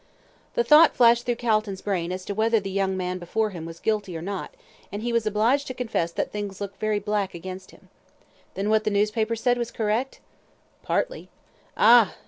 The thought flashed through Calton's brain as to whether the young man before him was guilty or not, and he was obliged to confess that things looked very black against him. "Then what the newspapers said was correct?" "Partly." "Ah!"